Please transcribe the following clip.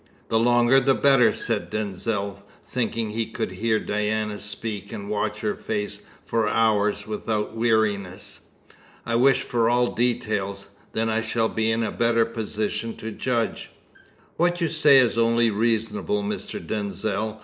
"The longer the better," said Denzil, thinking he could hear Diana speak and watch her face for hours without weariness. "I wish for all details, then I shall be in a better position to judge." "What you say is only reasonable, Mr. Denzil.